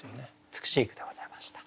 美しい句でございました。